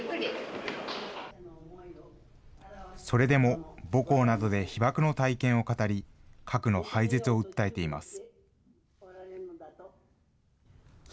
それでも、母校などで被爆の体験を語り、核の廃絶を訴えています。